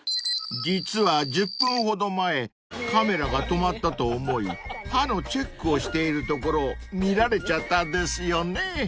［実は１０分ほど前カメラが止まったと思い歯のチェックをしているところを見られちゃったんですよね］